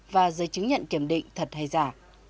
và giấy chứng nhận kiểm định thật hay giả